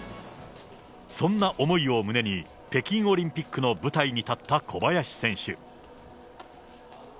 そんな思いを胸に、北京オリンピックの舞台に立った小林選手。